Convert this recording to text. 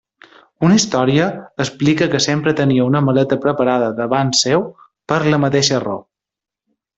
Una història explica que sempre tenia una maleta preparada davant seu, per la mateixa raó.